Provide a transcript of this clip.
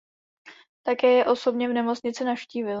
Také je osobně v nemocnici navštívili.